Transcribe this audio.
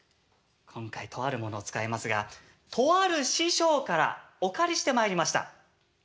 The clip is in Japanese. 今回とあるものを使いますがとある師匠からお借りしてまいりました。